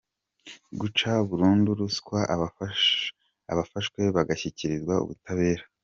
Guca burundu ruswa abafashwe bagashyikirizwa ubutabera.